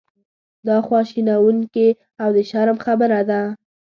دا خواشینونکې او د شرم خبره ده.